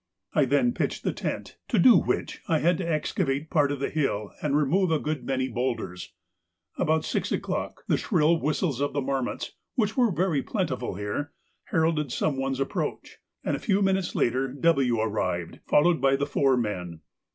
I then pitched the tent, to do which I had to excavate part of the hill and remove a good many boulders. About six o'clock the shrill whistles of the marmots, which were very plentiful here, heralded some one's approach, and a few minutes later W. arrived, followed by the four men.